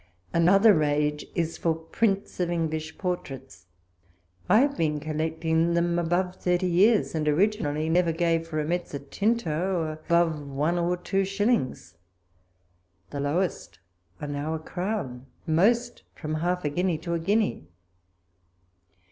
Another rage is for prints of English portraits : I have been collecting them above thirty years, and originally never gave for a mezzotinto above one or two shillings. The lowest are now a crown ; most, from half a guinea to a guinea.